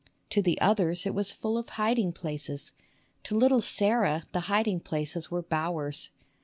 To the others it was full of hiding places, to little Sarah the hiding places were bowers.